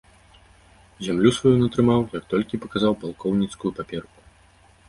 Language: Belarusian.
Зямлю сваю ён атрымаў, як толькі паказаў палкоўніцкую паперку.